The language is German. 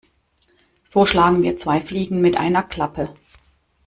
So schlagen wir zwei Fliegen mit einer Klappe.